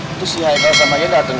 itu si haikal sama dia dateng